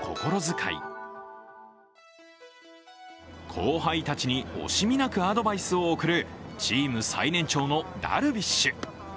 後輩たちに惜しみなくアドバイスを送るチーム最年長のダルビッシュ。